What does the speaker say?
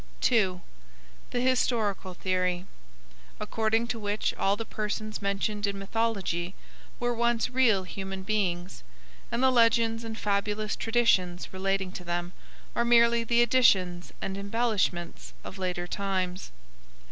2. The Historical theory; according to which all the persons mentioned in mythology were once real human beings, and the legends and fabulous traditions relating to them are merely the additions and embellishments of later times.